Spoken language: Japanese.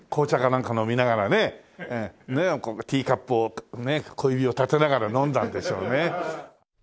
なんか飲みながらねティーカップをねえ小指を立てながら飲んだんでしょうね。